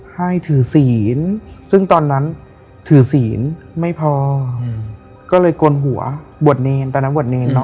ให้ถือศีลซึ่งตอนนั้นถือศีลไม่พอก็เลยกลหัวบวชเนรตอนนั้นบวชเนรเนอ